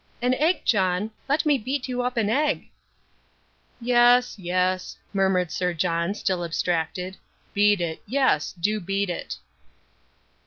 "An egg, John let me beat you up an egg." "Yes, yes," murmured Sir John, still abstracted, "beat it, yes, do beat it."